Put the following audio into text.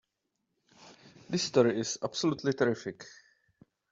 This story is absolutely terrific!